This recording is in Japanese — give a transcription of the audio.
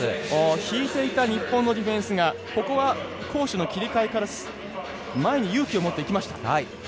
引いていた日本のディフェンスがここは、攻守に切り替えから前に勇気を持っていきました。